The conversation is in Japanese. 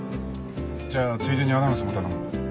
じゃあついでにアナウンスも頼む。